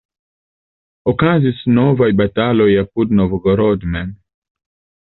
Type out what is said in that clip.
Okazis novaj bataloj apud Novgorod mem.